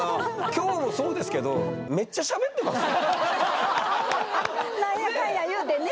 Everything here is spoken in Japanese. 今日もそうですけどなんやかんや言うてね！